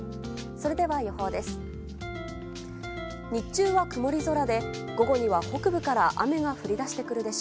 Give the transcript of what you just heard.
それでは予報です。